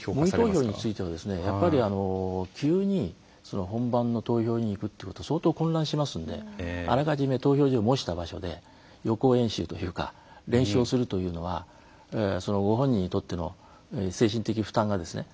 模擬投票については急に本番の投票に行くってことは相当混乱しますのであらかじめ投票所を模した場所で予行演習というか練習をするというのはご本人にとっての精神的負担が相当軽くなるんじゃないかと。